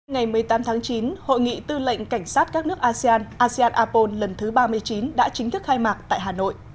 ngày một mươi tám tháng chín hội nghị tư lệnh cảnh sát các nước asean asean apol lần thứ ba mươi chín đã chính thức khai mạc tại hà nội